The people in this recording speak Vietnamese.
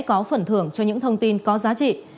có phần thưởng cho những thông tin có giá trị